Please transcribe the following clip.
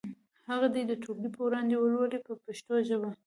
هغه دې د ټولګي په وړاندې ولولي په پښتو ژبه.